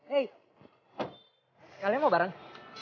hei kalian mau bareng